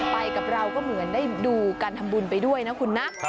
ไปกับเราก็เหมือนได้ดูการทำบุญไปด้วยนะคุณนะ